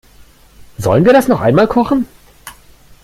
Sollen wir das noch einmal kochen?